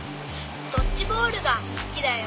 ドッジボールがすきだよ。